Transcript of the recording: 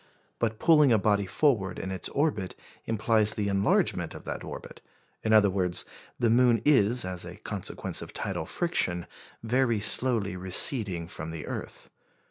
But pulling a body forward in its orbit implies the enlargement of that orbit; in other words, the moon is, as a consequence of tidal friction, very slowly receding from the earth.